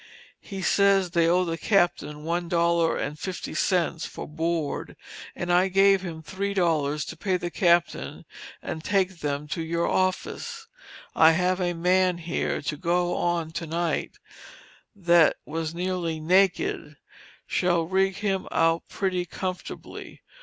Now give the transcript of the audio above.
He says they owe the captain one dollar and fifty cents for board, and I gave him three dollars, to pay the captain and take them to your office. I have a man here, to go on to night, that was nearly naked; shall rig him out pretty comfortably.